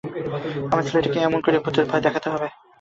আমার ছেলেকে কি এমনি করেই ভূতের ভয় দেখাতে হয়।